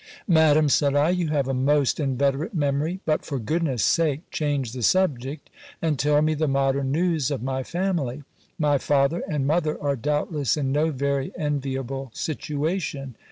Madam, said 1, you have a most inveterate memory ; but for goodness' sake change the subject, and tell me the modern news of my family. My father and mother are doubtless in no very enviable situation.